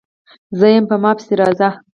_زه يم، په ما پسې راځه!